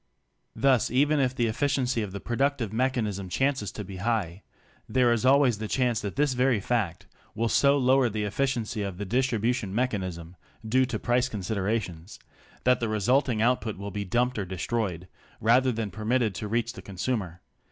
Thus even if the efficiency of the productive mechanism chances to be high, there is always the chance that this very fact will so lower the efficiency of the distribution mechanism — due to price considerations — that the resulting output will be dumped or destroyed rather than permitted to reach the consumer